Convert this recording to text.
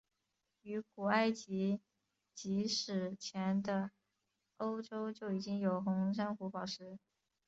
于古埃及及史前的欧洲就已经有红珊瑚宝石。